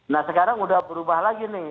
nah sekarang udah berubah lagi nih